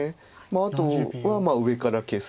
あとは上から消す。